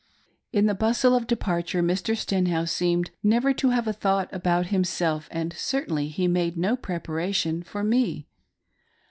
In the bustle of departure, Mr. Stenhouse seemed never to have thought about himself, and certainly he made no prepara tion for me.